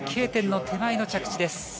Ｋ点の手前の着地です。